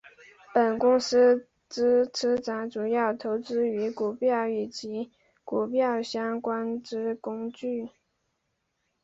本公司之资产主要投资于股票及与股票相关之工具。